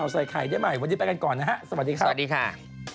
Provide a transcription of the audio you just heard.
สวัสดีครับสวัสดีค่ะ